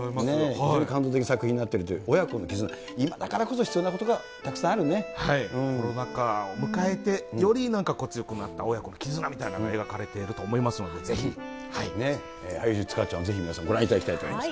本当に感動的な作品になってるという、親子の絆、今だからこコロナ禍を迎えて、より強くなった親子の絆みたいなのが描かれていると思いますので、俳優、塚っちゃんを皆さん、ご覧いただきたいと思います。